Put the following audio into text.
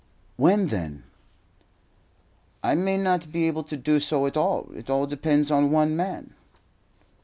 "When, then?" "I may not be able to do so at all. It all depends on one man."